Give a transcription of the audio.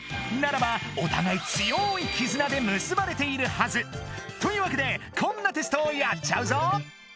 ならばおたがい強い絆でむすばれているはず。というわけでこんなテストをやっちゃうぞ！